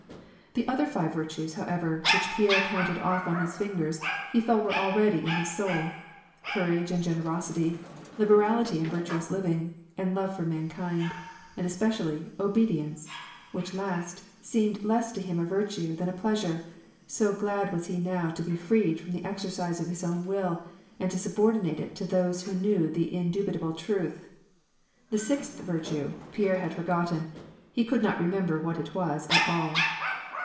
The other five virtues, however, which Pierre counted off on his fingers, he felt were already in his soul : courage and gen erosity, liberality and virtuous living, and love for inaokind, and especially, obedience, which last seemed less to him a vir tue than a pleasure, so glad was he now to be freed from the exercise of his own will, and to subordinate it to those who knew the indubitable truth. The sixth virtue, Pierre had for gotten ; he could not remember what it was at all.